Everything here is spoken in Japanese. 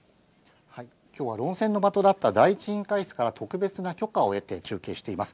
きょうは論戦の場となった第一委員会室から特別な許可を得て中継しています。